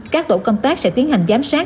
các tổ công tác sẽ tiến hành giám sát